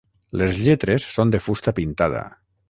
Les lletres són de fusta pintada.